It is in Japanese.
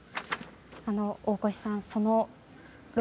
大越さん